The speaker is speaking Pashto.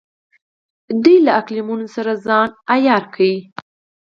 دوی له اقلیمونو سره ځان عیار کړ.